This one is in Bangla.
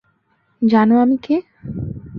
জানো আমি কে।